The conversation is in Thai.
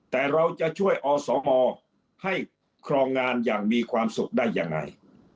แต่เราจะช่วยอสมให้ครองงานอย่างมีความสุขได้ยังไง